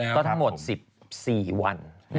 ก็ทั้งหมด๑๔วัน